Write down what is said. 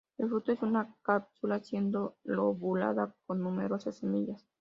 El fruto es una cápsula cinco lobulada con numerosas semillas.